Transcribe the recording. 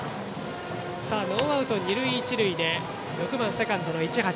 ノーアウト二塁一塁で６番セカンド、市橋。